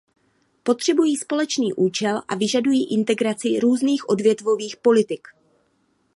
Potřebují společný účel a vyžadují integraci různých odvětvových politik.